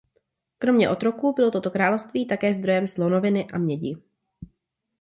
Kromě otroků bylo toto království také zdrojem slonoviny a mědi.